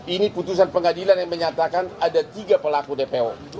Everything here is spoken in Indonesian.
ini putusan pengadilan yang menyatakan ada tiga pelaku dpo